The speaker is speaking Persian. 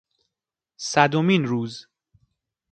صدمین روز